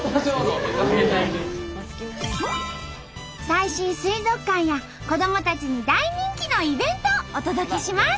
最新水族館や子どもたちに大人気のイベントをお届けします！